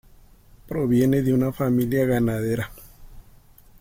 Proviene de una familia ganadera.